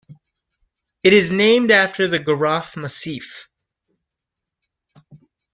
It is named after the Garraf Massif.